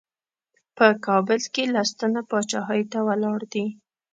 په کابل کې لس تنه پاچاهۍ ته ولاړ دي.